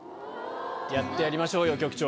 やってやりましょうよ局長。